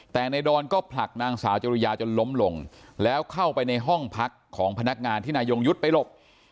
แต่นายดอนก็ผลักนางสาวจริยาจนล้มลงแล้วเข้าไปในห้องพักของพนักงานที่นายยงยุทธ์ไปหลบ